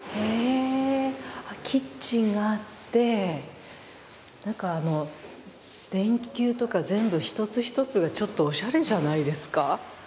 キッチンがあって、なんか電球とか全部一つ一つがおしゃれじゃないですか。